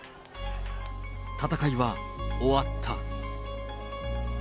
戦いは終わった。